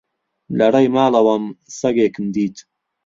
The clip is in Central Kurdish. لە ڕێی ماڵەوەم سەگێکم دیت.